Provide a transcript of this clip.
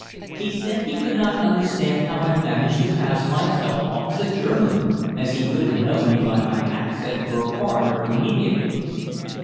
He said he could not understand how I managed to pass myself off as a German, as he would have known me by my accent for a foreigner immediately.